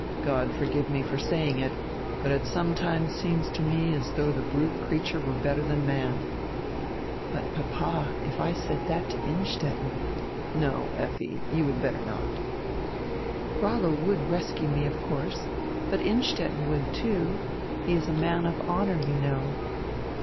God forgive me for saying it, but it sometimes seems to me as though die brute creature were better dian man." "But, papa, if I said diat to Innstetten —" "No, Effi, you would better not." "Rollo would rescue me, of course, but Innstetten would, too. He is a man of honor, you know."